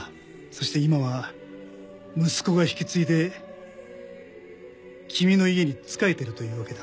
そして今は息子が引き継いで君の家に仕えてるというわけだ。